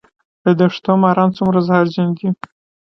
د دښتو ماران څومره زهرجن دي؟